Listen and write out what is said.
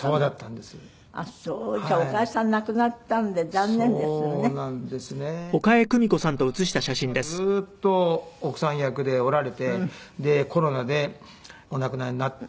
ですから岡江さんがずっと奥さん役でおられてでコロナでお亡くなりになって。